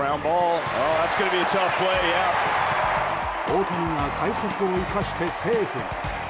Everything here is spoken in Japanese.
大谷が快足を生かしてセーフに。